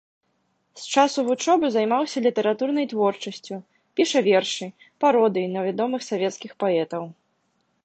З часу вучобы займаўся літаратурнай творчасцю, піша вершы, пародыі на вядомых савецкіх паэтаў.